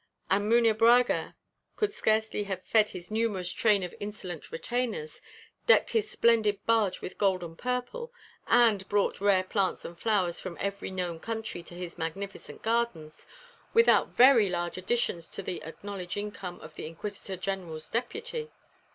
And Munebrãga could scarcely have fed his numerous train of insolent retainers, decked his splendid barge with gold and purple, and brought rare plants and flowers from every known country to his magnificent gardens, without very large additions to the acknowledged income of the Inquisitor General's deputy.